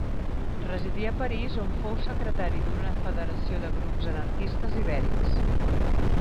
Residí a París on fou secretari d'una federació de grups anarquistes ibèrics.